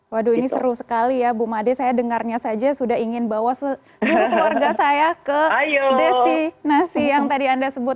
waduh ini seru sekali ya bu made saya dengarnya saja sudah ingin bawa seluruh keluarga saya ke destinasi yang tadi anda sebut